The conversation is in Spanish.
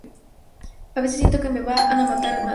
A veces siento que me van a matar maten.